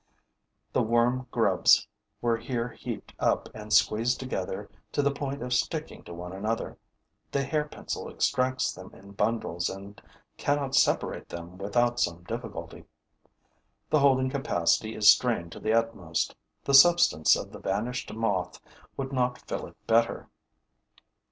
The worm grubs were here heaped up and squeezed together to the point of sticking to one another. The hair pencil extracts them in bundles and cannot separate them without some difficulty. The holding capacity is strained to the utmost; the substance of the vanished Moth would not fill it better.